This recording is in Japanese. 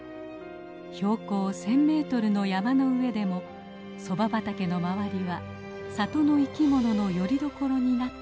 標高１，０００メートルの山の上でもソバ畑の周りは里の生きもののよりどころになっているのです。